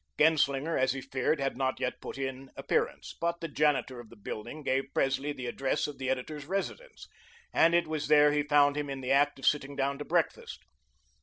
Genslinger, as he feared, had not yet put in appearance, but the janitor of the building gave Presley the address of the editor's residence, and it was there he found him in the act of sitting down to breakfast.